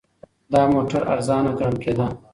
دا موټر ارزانه ګڼل کېده.